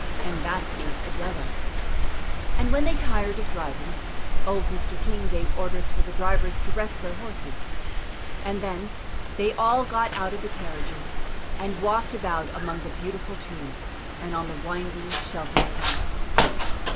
And that pleased Adela. And when they tired of driving, old Mr. King gave orders for the drivers to rest their horses. And then they all got out of the carriages, and walked about among the beautiful trees, and on the winding, sheltered paths.